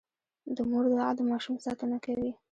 د مور دعا د ماشوم ساتنه کوي.